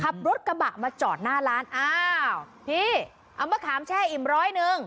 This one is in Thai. ขับรถกระบะมาจอดหน้าร้านอ้าวพี่เอามะขามแช่อิ่มร้อยหนึ่ง